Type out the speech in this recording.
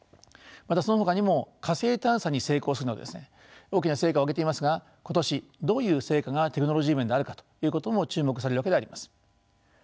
またそのほかにも火星探査に成功するなど大きな成果を上げていますが今年どういう成果がテクノロジー面であるかということも注目されるわけであります。